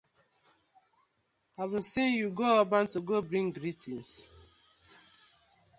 I been sen yu go Oban to go bring greetins.